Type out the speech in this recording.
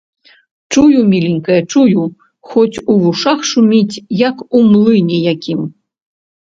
Чую, міленькая, чую, хоць у вушах шуміць, як у млыне якім.